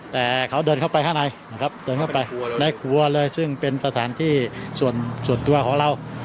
แต่เขาเดินเข้าไปข้างในนะครับเดินเข้าไปในครัวเลยซึ่งเป็นสถานที่ส่วนตัวของเรา